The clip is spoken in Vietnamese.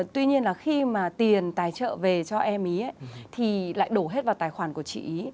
tuy nhiên là khi mà tiền tài trợ về cho em ý thì lại đổ hết vào tài khoản của chị ý